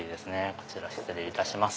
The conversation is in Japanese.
こちら失礼いたします。